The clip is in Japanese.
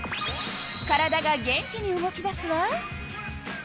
体が元気に動き出すわ。